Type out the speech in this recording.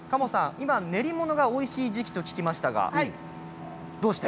今、練り物がおいしい時期と聞きましたがどうして？